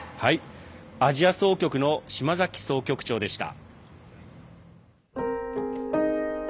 アジア総局の島崎総局長でした。